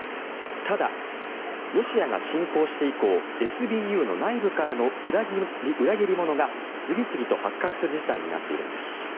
ただ、ロシアが侵攻して以降ＳＢＵの内部からの裏切り者が次々と発覚する事態になっているんです。